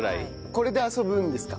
これで遊ぶんですか？